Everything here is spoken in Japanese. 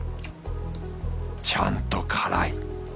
ちゃんと辛い